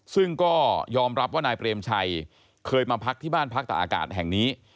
ซึ่งก็ยอมรับว่านายเปรมชัยเคยมาพักที่บ้านพักตะอากาศแห่งนี้